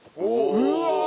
うわ！